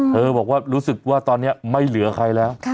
บอกว่ารู้สึกว่าตอนนี้ไม่เหลือใครแล้ว